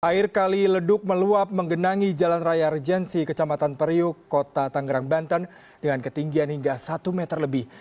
air kali leduk meluap menggenangi jalan raya rejensi kecamatan periuk kota tanggerang banten dengan ketinggian hingga satu meter lebih